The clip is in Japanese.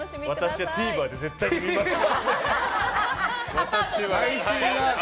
私はＴＶｅｒで絶対に見ますよ。